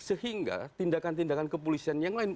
sehingga tindakan tindakan kepolisian yang lain